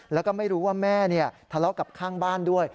แล้วก็ไม่รู้ว่าแม่ทะเลาะกับข้างบ้านด้วย